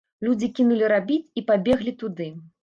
Людзі кінулі рабіць і пабеглі туды.